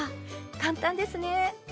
簡単ですね。